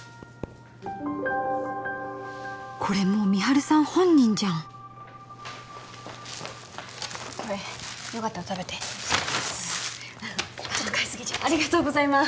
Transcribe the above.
これもう美晴さん本人じゃんこれよかったら食べてちょっと買いすぎちゃってありがとうございます